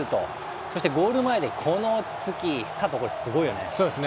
そしてゴール前で、この落ち着き佐藤、これすごいよね。